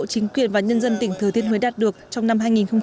chính quyền và nhân dân tỉnh thừa thiên huế đạt được trong năm hai nghìn một mươi sáu